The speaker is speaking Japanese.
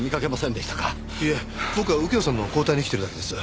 いえ僕は右京さんの交代に来てるだけです。